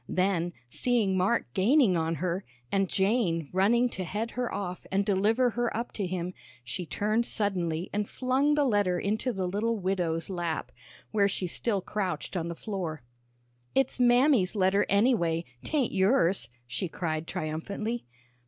Then, seeing Mark gaining on her, and Jane running to head her off and deliver her up to him, she turned suddenly and flung the letter into the little widow's lap, where she still crouched on the floor. "It's Mammy's letter, anyway; 'tain't yours," she cried triumphantly.